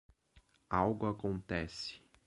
Algo acontece